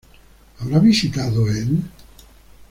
¿Habrá visitado él?